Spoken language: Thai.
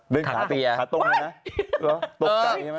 เดินขาก็ตรงสีไม่นะ